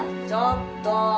ちょっと。